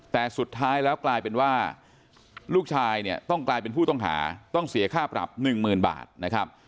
แต่สุดท้ายแล้วกลายเป็นว่าลูกชายเนี่ยต้องกลายเป็นผู้ต้องหาต้องเสียค่าปรับหนึ่งหมื่นบาทนะครับ